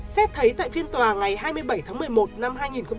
xét thấy tại phiên tòa ngày hai mươi bảy tháng một mươi một năm hai nghìn một mươi bảy